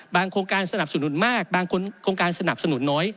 โครงการสนับสนุนมากบางโครงการสนับสนุนน้อย